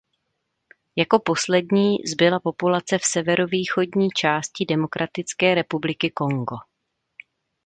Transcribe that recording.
Jako poslední zbyla populace v severovýchodní části Demokratické republiky Kongo.